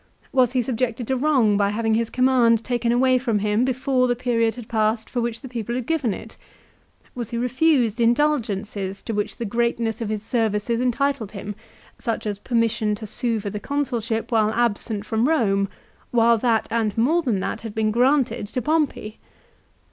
Was he subjected to wrong by having his command taken away from him before the period had passed for which the people had given it ? Was he refused indulgences to which the greatness of his services entitled him, such as permission to sue for the Consulship while absent from Eome, while that and more than that had been granted to Pompey